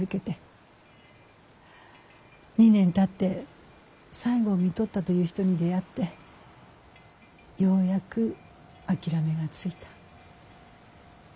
２年たって最期をみとったという人に出会ってようやく諦めがついた。